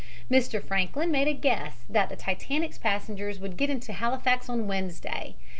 Mr. Franklin made a guess that the Titanic's passengers would get into Halifax on Wednesday.